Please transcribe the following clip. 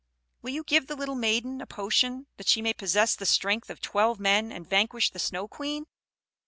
Will you give the little maiden a potion, that she may possess the strength of twelve men, and vanquish the Snow Queen?"